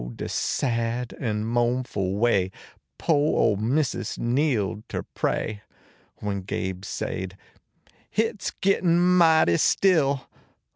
de sad en moanful way, po ole missus kneeled ter pray, When (kibe sade :" Hit s gittin mighty still."